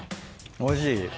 おいしい？